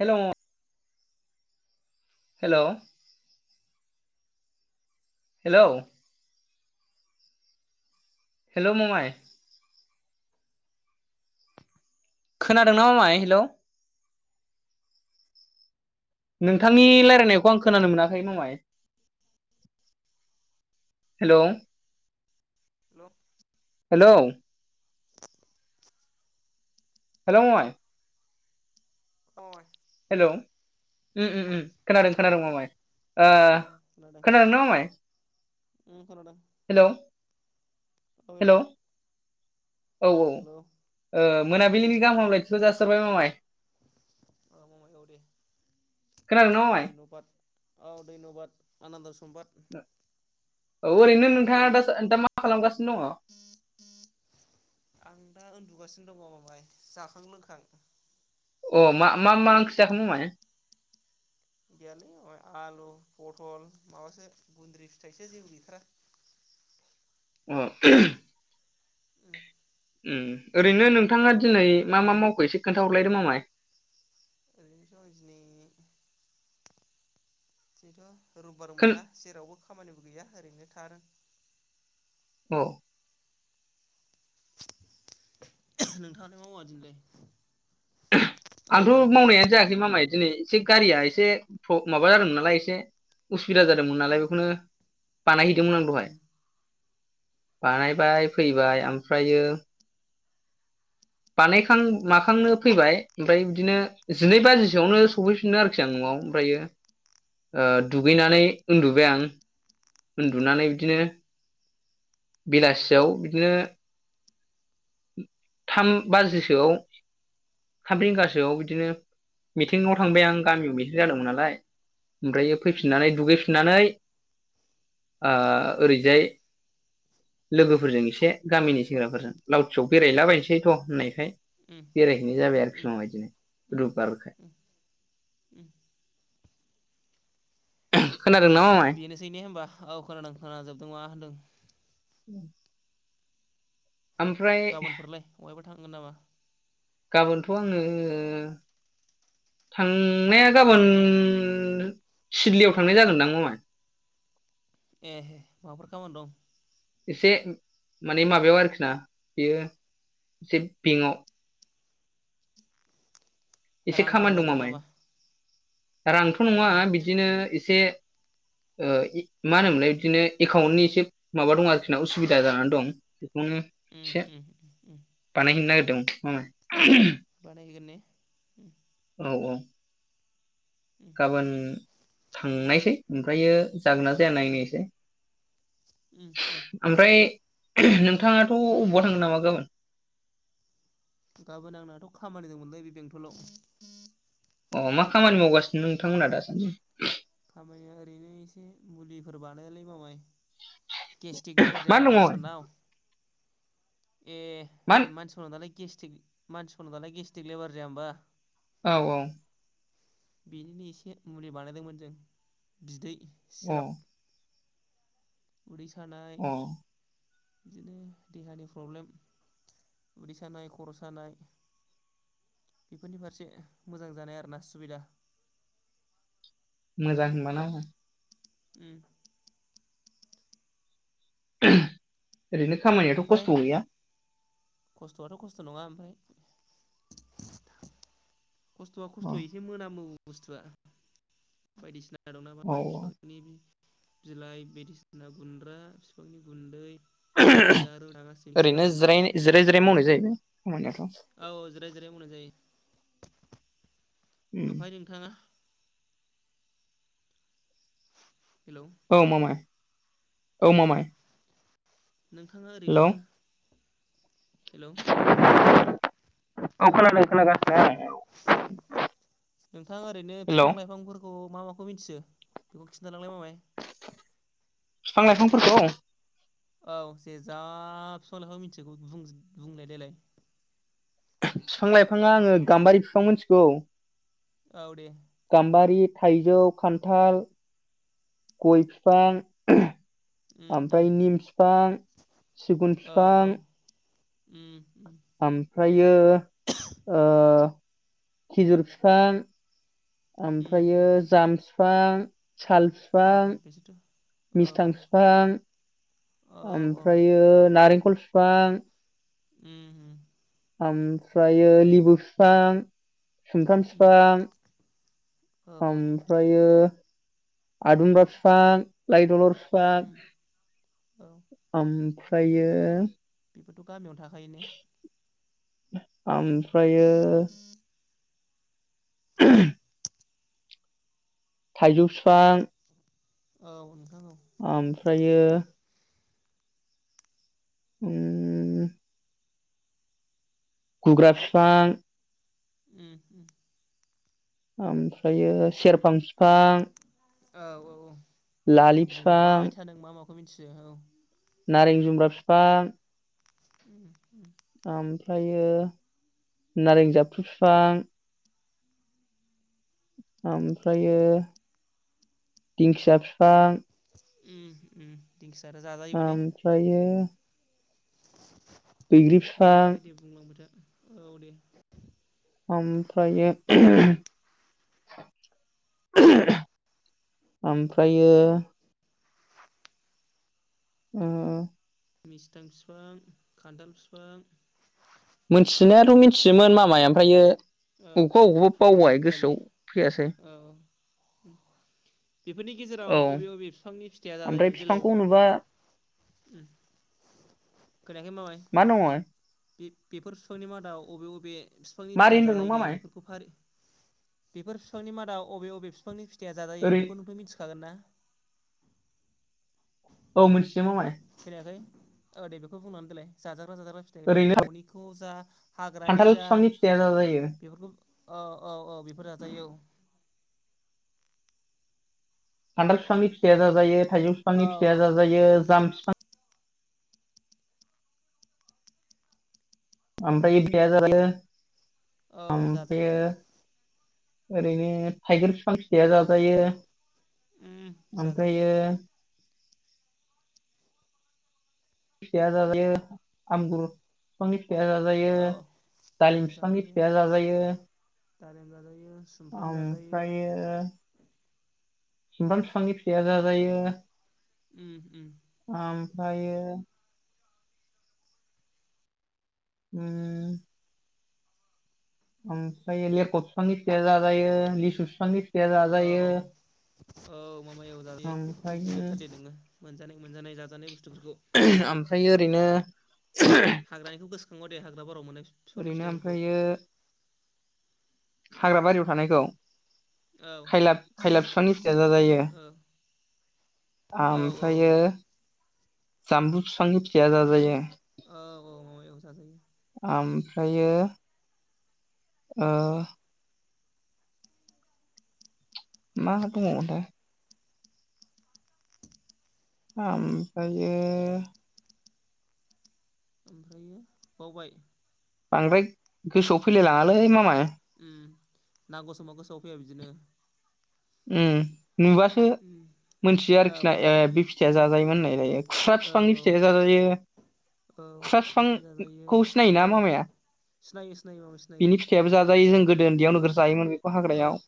Hello हेल hello हेल ममाइ खोनादों ना मामाइ हेलौ? नोंथांनि रायलायनायखौ आं खोनानो मोनाखै ममाय? हेलौ हेल हेलौ हेलौ ममाइ अ हेलौ उम उम खोनादों हेलौ खोनादों मामाय ओ खोनादों ना मामाय? उ खोनादों अ हेलौ औ औ हेलौ ओ मोनाबिलिनि गाहाम हामलायथिखौ जासिहरबाय मामाय अ मामाय औ दे खोनादोंना ममाइ धैनबाद औ धैन्बाद आनन्द समबाद औ ओरैनो नोंथाङा दा दा मा खालामगास आं दा ओन्दु गासिनो दङ मामाय जाखां लोंखां अ मा मा मा ओंख्रि जाखो मामाय? गैयालै मामाय आलु पतल माबासो गुन्द्रि फिथाइसो जेबो गैथारा [unintelligible] उ उम ओरैनो नोंथाङा दिनै मा मा मावखो इसे खोन्थाहरलायदो मामाय? ओरैनोथ दिनै जिथ रबिबार खोन मोनना जेरावबो खामानिबो गैया ओरैनो थादों औ नोंथाङालाय मा मावा दिनैलाय? ओहो आंथ खारेन्ट फैबाय मावनायानो जायाखै मामाय दिनै एसे गारिया एसे फ माबा जादोंमोन नालाय एसे उसुबिदा जादोंमोन नालाय बेखौनो बानायहैदोंमोन आं उम दहाय बानायबाय फैबाय ओमफ्रायो बानायखां माखांनो फैबाय ओमफ्राय बिदिनो जिनै बाजिसोआवनो सफैफिनदों आरोखि आं नवाव वाव ओमफ्रयो ओ दुगैनानै उन्दुबाय आं उन्दुनानै उम बिदिनो बेलासियाव बिदिनो थाम बाजिसोआव थाम रिंगासोआव बिदिनो मिथिङाव थांबाय आं गामियाव मिथिं जादोंमोन नालाय उम ओमफ्रायो उम फैफिननानै दुगैफिननानै ओ ओरैजाय लोगोफोरजों एसे गामिनि सेंग्राफोरजों लावथियाव बेरायलाबायनोसै फैथ' होननायखाय उम बेरायहैनाय जाबाय उम उम आरो [unintelligible] उम उम [inaudible] बेनोसै ने होनबा औ खोनादों खोनाजोबदों मा होनदों [inaudible] ओमफ्राय गाबोनफोरलाय अहायबा थांगोन नामा? गाबोनथ' आङो थांनाया गाबोन सिदलियाव थांनाय जागोनदां मामाय एहे माबाफोर खामानि दं एसे माने माबायाव आरोखि ना बेयो एसे बेंकआव एसे रांफोर खामानि दं लायगोन मामाय नामा रांथ' नङा उम बिद उम [inaudible] ओ मा होनोमोनलाय बिदिनो एकाउन्टनि एसे माबा दं आरोखि ना उसुबिदा जानानै दं बेखौनो उम एसे उम उम बानायहैनो नागिरदोंमोन मामाय बानायहैगोन ने औ औ उम गाबोन थांनायसै ओमफ्रायो जागोन ना जाया उम नायनायसै उम उम उम ओमफ्राय नोंथाङाथ' अबावबा थांगोन नामा गाबोन गाबोन नांनाथ' खामानि दंमोनलै बे बेंथलाव अ मा खामानि मावगासिनो नोंथांमोनहा दासान्दि खामानिया ओरैनो एसे मुलिफोर बानायोलाय मामाय गेस्टिक लेभार मा जाया होमबा दङ मानसिफोरनाव मा ए मानसिफोरनाव दालाय गेस्थिक मानसिफोरनाव दालाय गेस्टिक लेबार जाया होमबा औ औ बेनिनो एसे मुलि बानायदोंमोन जों बिदै औ अ सिराप उदै सानाय अ बिदिनो देहानि प्रब्लेम उदै सानाय खर' सानाय बेफोरनि फारसे मोजां जानाय आरोना सुबिदा मोजां होनबाना उम ओरैनो खामानिया ओमफाय गाज्रि गैया खस्थ'आथ' खस्थ' नङा ओमफाय खस्थ'आ औ खस्थ'य एसे मोनामो बुस्थुआ बायदिसिना दंना औ बाय [unintelligible] बिफांनि बिलाइ बायदिसिना गुन्द्रा बिफांनि गुन्दै रोदा रोदा गासै मिक्स ओरैनो खालामनाय जिराय जिराय जिराय मावनाय जायोना खामानिया औ जिराय जिराय मावनाय जायो उम ओमफ्राय नोंथाङा हेलौ औ मामाय औ मामाय नोंथाङा ओरैनो हेलौ हेल' औ खोनादों खोनागा नोंथांङा ओरैनो हेलौ बिफां लाइफांफोरखौ मा माखौ मिथियो बेखौ खि लांलाय मामाय बिफां लाइफांफोरखौ औ जेेजाबिसलाखौ मिथिगौ बुंनाय देलाय बिफां लाइफाङा आङो गाम्बारि बिफां मिथिगौ औ दे गामबारि थाइजौ खान्थाल गय बिफां उम उम ओमफ्राय निम फिफां सिगुन औ औ फिफां उम उम आम ओमफ्रायो ओ खेजुर फिफां उम ओमफ्रायो उम जाम फिफां साल औ फिफां औ बिसोरथ' औ मिस्थां औ फिफां औ औ उम ओमफ्रायो नारेंखल फिफां उम ओमफ्रायो लिबु फिफां सुमफ्राम उम फिफां औ औ ओमफ्रायो आदुमब्रा फिफां लाइ लथर फिफां उम औ ओमफ्रायो बेफोरथ' गामियावनो थाखायो ने? ओमफ्रायो [inaudible] थाइजौ फिफां औ नोंथां औ उम गुग्रा फिफां उम ओमफ्रायो सेरफां फिफां औ औ दे बिफां बुंलांबायथा नों मा माखौ मिथियो औ। नारें जुमब्रा फिफां [inaudible] ओमफ्रायो नारें जाफ्रु फिफां ओमफ्रायो दिंखिया फिफां उम उम दिंखिया आरो जाजायोबो ने आमफ्रायो बिफां बिनिफ्राय दे बुंलांबाय था औ दे ओमफ्रायो आमफ्रायो [inaudible] मिस्थां फिफां खान्थाल फिफां मोन्थिनायाथ' मिथियोमोन मामाय ओमफ्रायो औ अबेखौबा अबेखौबा बावबाय गोसोआव फैया ने फैयासै औ। बेफोरनि गेजेराव औ अबे अबे फिफांनि फिथाइया ओमफ्राय जाजायो देलाय बिफांखौ नुबा खोनायाखै मामाय? मा दङ बे बेफोर फिफांनि मादाव बबे बबे फिफांनि मारै फिथाइया होनदों नों जाजायो दे मामाय बेफोरखौ फारि बेफोर फिफांनि मादाव बबे बबे फिफांनि फिथाइया जाजायो ओरै बेखौ नोंथ' मिथि खागोन ना औ मोनथियो मामाय। खोनायाखै औ दे बेखौ बुंनानै होलाय जाजा जाग्रा फिथाइ दे ओरैनो ननिखौ जा हाग्रानि खान्थाल जा बिफांनि फिथाइया जाजायो बेफोरखौ अ औ औ औ बेफोर जाजायो औ। खान्थाल फिफांनि फिथाइया जाजायो थाइजौ औ फिफांनि फिथाइया औ जाजायो जाम फि आमफाय [unintelligible] औ जाजायो। ओरैनो थाइगिर फिफां फिथाया जाजायो। उम जाजायो ओमफ्रायो फिथाया जाजायो आमगुरु फिफांनि फिथाया जाजायो औ दालिम फिफांनि फिथाया जाजायो। दालिम जाजायो सुमफ्राम जाजायो ओमफ्रायो सुमफ्राम फिफांनि फिथाया जाजायो हउम आमफायो उम आमफ्रायो लेख‌ फिफांनि‌ फिथाया जाजायो लिसु फिफांनि फि औ औ माबायाव जायोयो बेफोरखौ ओमफ्रायो बुंजोब थारदे नोङो मोनजानाय मोनजानाय जाजानाय बुस्थु ओमफ्राय ओरैनो हाग्रानिखौ गोसोखाङा दे हाग्रा बारियाव मोनायखौ ओरैनो ओमफ्रायो हाग्रा बारियाव थानायखौ औ खायलाब बिफानि फिथा जाजायो औ औ ओमफ्रायो जाम्बु बिफां फिथाया जाजायो औ औ एउ जयायो ओमफ्रायो ओ मा दंबावोथाय ओमफ्रायो ओमफ्रायो बावबाय बांद्राय गोसोआव फैलाय लाङालै मामाय उम नांगौ समाव गोसोआव फैया बिदिनो उम नुबासो उम मोनथियो औ आरोखि ना औ ए बे फिथाइया जाजायोमोन होननायलायो खुस्रा औ बिफांनि औ फिथाइया जाजायो खुस्रा फिथाइ जाजायो बिफांखौ औ सिनायोना मामाया सिनायो सिनायो माबा सिनायो बिनि फिथाइाबो जाजायो जों गोदो उन्दैयाव नोगोर जायोमोन बेखौ औ हाग्रायाव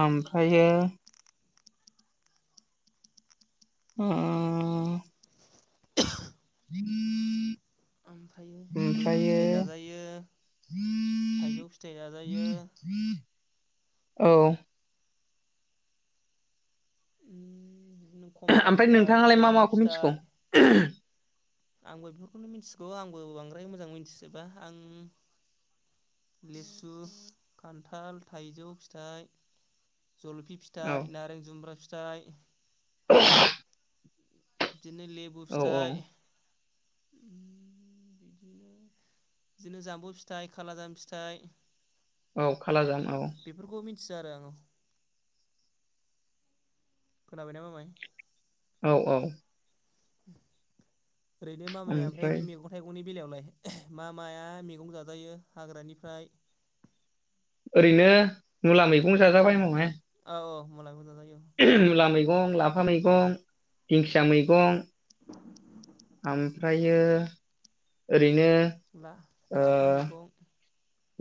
ओमफ्रायो अ [inaudible] ओमफ्रायो लेबु ओमफ्रायो फिथाइ जाजायो थाइजौ फिथाइ जाजायो औ उम ओमफ्राय नोंथाङालाय मा माबाखौ मिथिगौ आंबो बेफोरखौनो मिथिगौ आंबो बांद्राय मोजां मिथिजोबा आं लिसु खान्थाल थाइजौ फिथाइ जलफि औ फिथाइ नारें जुमब्रा फिथाइ [inaudible] बिदिनो लेबु औ औ फिथाइ बिदिनो बिदिनो जाम्बु फिथाइ खाला जाम फिथाइ औ खालाजाम औ बिसाराङो खोनाबायना मामाय औ औ ओरैनो मामाया ओमफ्राय बे मैगं थाइगंनि बेलायावलाय मा माया मैगं जाजायो हाग्रानिफ्राय ओरैनो मुला मैगं जाजाबायमावहाय औ औ मुला मैगं जाजायो औ मुला मैगं लाफा मैगं दिंखिया मैगं ओमफ्रायो ओरै ला लाफा मैगं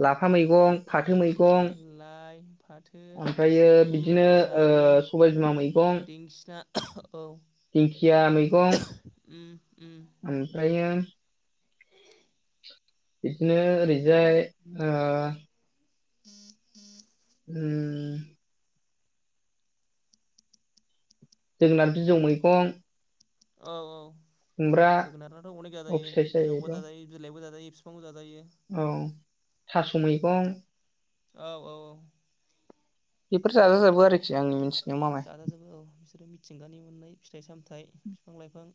लाफा मैगं फाथो मैगं लाइ फाथो ओमफ्रायो सिब्रु बिदिनो ओ जारि सबाय बिमा मैगं दिंखिया औ दिंखिया मैगं उम उम ओमफ्रायो बिदिनो ओरैहाय ओ उम जोगोनार बिजौ मैगं औ औ खुमब्रा जोगोनारथ' अनेक अ जाजायो फिथाइ सायो बेथ' बिजौबा जाजायो बिलाइबो जाजायो बिफांबो जायो औ थास' मैगं औ औ औ बेफोर जाजा जोबो आरोखि आंनि मिथिनायाव मामाय जाजाजोबो औ बिसोरो मिथिंगानि मोननाय फिथाइ सामथायाइ बिफां लाइफां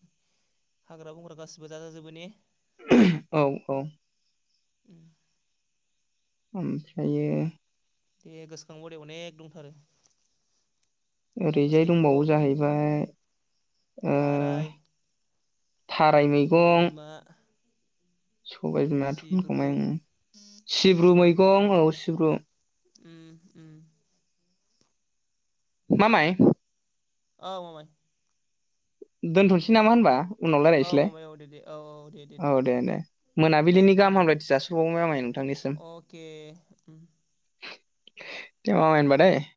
हाग्रा बंग्रा गासिबो जाजाजोबो ने? औ औ उम ओमफ्रायो दे गोसोखांबाव दे अनेख दंथारो लाफा ओरैजाय सायख' दंबावो जाहैबाय ओ थाराय थाराय सबाय मैगं बिमा सबाय बिमाथो सिब्रु होनखांबाय आङो सिब्रु उम मैगं औ सिब्रु उम उम मा माइ? औ मामाय दोनथ'सै नामा होनबा उनाव औ राय्लायनोसैलाय माबायाव दे दे औ औ दे औ दे दे मोनाबिलिनि गाहाम हामलायथि जासि हरबावबाय मामाय। नोंथांनिसिम अके दे मामाय होनबा दै